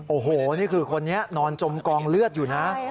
โอ้โหนี่คือคนนี้นอนจมกองเลือดอยู่นะ